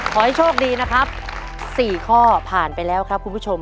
ขอให้โชคดีนะครับ๔ข้อผ่านไปแล้วครับคุณผู้ชม